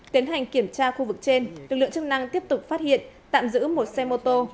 tiến hành kiểm tra khu vực trên lực lượng chức năng tiếp tục phát hiện tạm giữ một xe mô tô